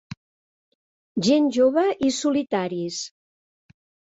Gent jove i solitaris.